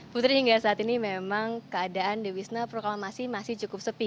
putri hingga saat ini memang keadaan di wisma proklamasi masih cukup sepi